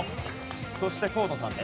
そして河野さんです。